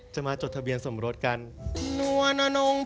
มาจดทะเบียนสมรสกัน